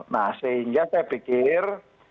nah sehingga saya pikir